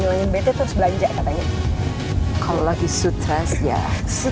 luwut jadi kalau langsung berangkatnya wales